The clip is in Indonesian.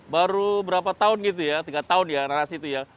baru berapa tahun gitu ya tiga tahun ya narasi itu ya